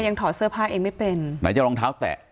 ถอดเสื้อผ้าเองไม่เป็นไหนจะรองเท้าแตะ